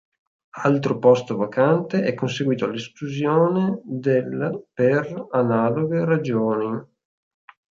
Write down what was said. Altro posto vacante è conseguito all'esclusione del per analoghe ragioni.